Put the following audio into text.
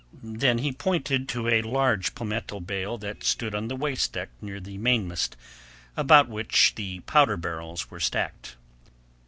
Then he pointed to a large palmetto bale that stood on the waist deck near the mainmast about which the powder barrels were stacked.